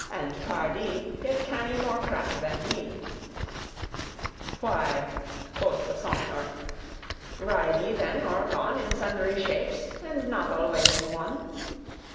And pardie, yet can I more craft* than he." *skill, cunning "Why," quoth the Sompnour, "ride ye then or gon In sundry shapes and not always in one?"